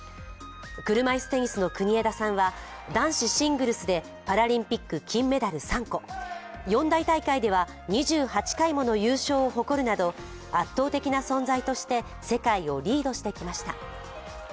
車いすテニスの国枝さんは男子シングルスでパラリンピック金メダル３個、四大大会では２８回もの優勝を誇るなど圧倒的な存在として世界をリードしてきました。